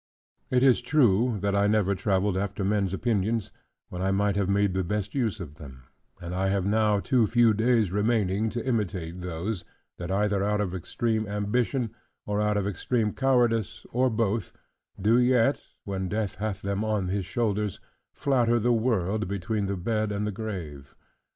It is true, that I never travelled after men's opinions, when I might have made the best use of them: and I have now too few days remaining, to imitate those, that either out of extreme ambition, or of extreme cowardice, or both, do yet (when death hath them on his shoulders) flatter the world, between the bed and the grave.